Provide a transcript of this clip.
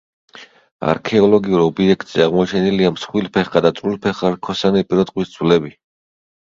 არქეოლოგიურ ობიექტზე აღმოჩენილია მსხვილფეხა და წვრილფეხა რქოსანი პირუტყვის ძვლები.